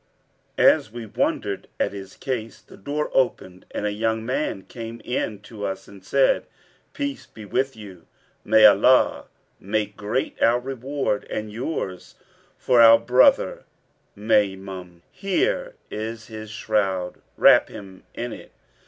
As we wondered at his case, the door opened and a young man came in to us and said, 'Peace be with you! May Allah make great our reward and yours for our brother Maymun! Here is his shroud: wrap him in it.'